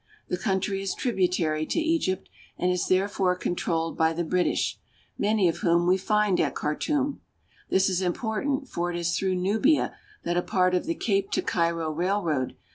The country is tributary to Egypt, and is therefore controlled by the British, many of whom we find at Khartum. This is important, for it is through Nubia that a part of the Cape to Cairo Railroad, A port on the upper Nile.